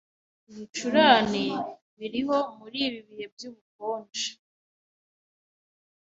ibicurane biriho muri ibi bihe by’ubukonje,